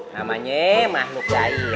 namanya makhluk jahil